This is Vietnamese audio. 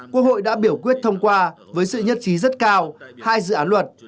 quốc hội đã biểu quyết thông qua với sự nhất trí rất cao hai dự án luật